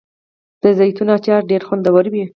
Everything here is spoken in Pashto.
د زیتون اچار ډیر خوندور وي.